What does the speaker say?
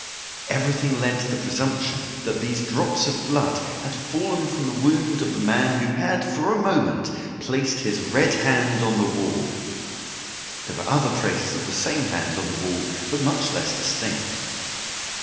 Everything led to the presumption that these drops of blood had fallen from the wound of the man who had, for a moment, placed his red hand on the wall. There were other traces of the same hand on the wall, but much less distinct.